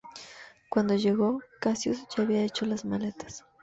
Cuando llegó, Cassius ya había hecho las maletas.